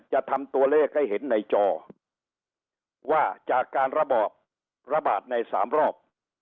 จะทำตัวเลขให้เห็นในจอว่าจากการระบอบระบาดในสามรอบ